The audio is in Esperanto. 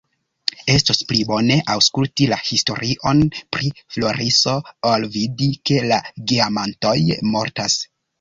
Estos pli bone, aŭskulti la historion pri Floriso ol vidi, ke la geamantoj mortas.